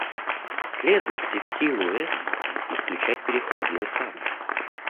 Следует ли в силу этого исключать переходный этап?